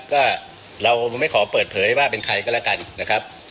ก็เราไม่ขอเปิดเผยว่าเป็นใครก็แล้วกันนะครับ